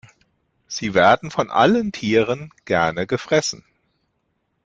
Sie werden von allen Tieren gerne gefressen.